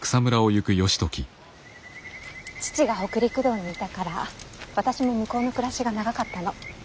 父が北陸道にいたから私も向こうの暮らしが長かったの。